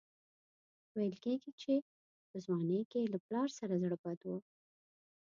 ویل کېږي چې په ځوانۍ کې یې له پلار سره زړه بد و.